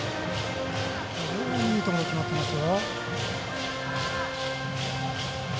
非常にいいところに決まっていますよ。